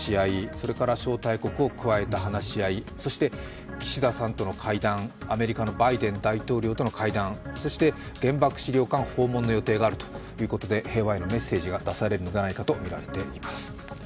それから招待国を加えた話し合い、そして岸田さんとの会談、アメリカのバイデン大統領との会談、原爆資料館訪問の予定があるということで平和へのメッセージが出されるのではないかとみています。